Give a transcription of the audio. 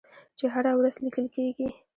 چې هره ورځ لیکل کیږي.